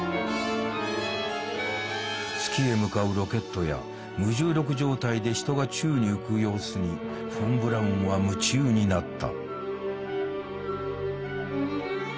月へ向かうロケットや無重力状態で人が宙に浮く様子にフォン・ブラウンは夢中になった。